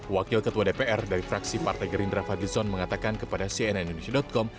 wakil ketua dpr dari fraksi partai gerindra fadilson mengatakan kepada cnnindonesia com